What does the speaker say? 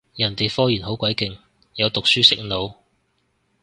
人哋科研好鬼勁，有讀書食腦